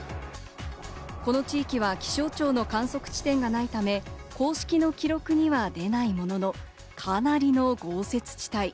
この地域は気象庁の観測地点がないため、公式の記録には出ないものの、かなりの豪雪地帯。